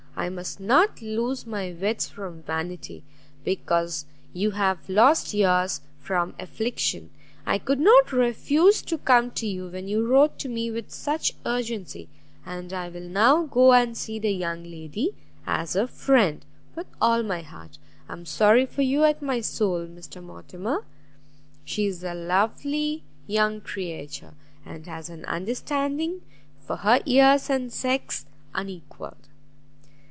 I must not lose my wits from vanity, because you have lost yours from affliction. I could not refuse to come to you when you wrote to me with such urgency, and I will now go and see the young lady, as a friend, with all my heart. I am sorry for you at my soul, Mr Mortimer! She is a lovely young creature, and has an understanding, for her years and sex, unequalled."